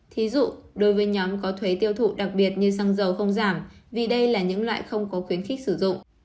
thí dụ đối với nhóm có thuế tiêu thụ đặc biệt như xăng dầu không giảm vì đây là những loại không có khuyến khích sử dụng